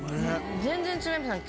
全然違いますね。